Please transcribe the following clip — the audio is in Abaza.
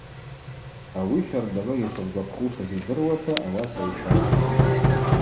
Ауи щардагӏвы йшыргвапхушыз йдыруата ауаса йхӏватӏ.